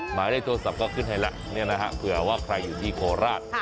หมายเลขโทรศัพท์ก็ขึ้นให้แล้วเผื่อว่าใครอยู่ที่โคราช